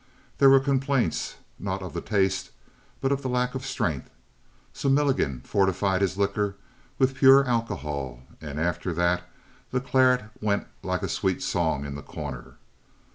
There were complaints, not of the taste, but of the lack of strength. So Milligan fortified his liquor with pure alcohol and after that the claret went like a sweet song in The Corner.